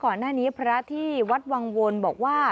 ก่อนหน้านี้พระที่วัดวังวลบอกว่า